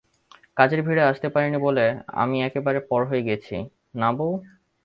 কাজের ভিড়ে আসতে পারিনি বলে আমি একেবারে পর হয়ে গেছি, না বৌ?